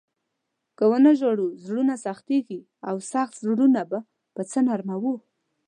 که و نه ژاړو، زړونه سختېږي او سخت زړونه به په څه نرموو؟